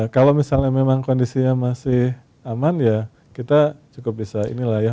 kalau misalnya memang kondisinya masih aman ya kita cukup bisa inilah ya